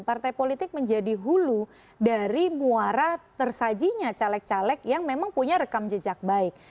partai politik menjadi hulu dari muara tersajinya caleg caleg yang memang punya rekam jejak baik